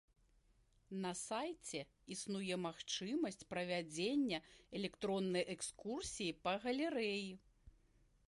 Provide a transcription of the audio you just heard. На сайце існуе магчымасць правядзення электроннай экскурсіі па галерэі.